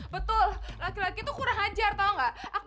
betul laki laki itu kurang hajar tau gak